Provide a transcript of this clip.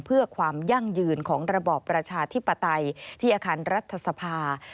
เพื่อความยั่งยืนของระบอบประชาธิปไตยที่อาคารรัฐสภา